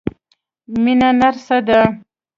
مينه نرسه ده.